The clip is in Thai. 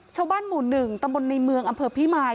ชาวบ้านหมู่๑ตำบลในเมืองอำเภอพิมาย